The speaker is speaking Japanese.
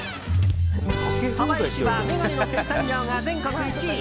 鯖江市は眼鏡の生産量が全国１位。